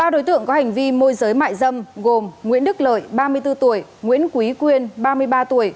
ba đối tượng có hành vi môi giới mại dâm gồm nguyễn đức lợi ba mươi bốn tuổi nguyễn quý quyên ba mươi ba tuổi